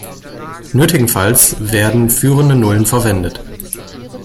Nötigenfalls werden führende Nullen verwendet.